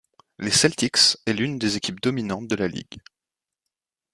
Les Celtics est l'une des équipes dominantes de la ligue.